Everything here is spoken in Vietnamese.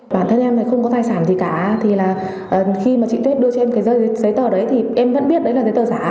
bản thân em không có tài sản gì cả khi mà chị tuyết đưa cho em cái giấy tờ đấy thì em vẫn biết đấy là giấy tờ giả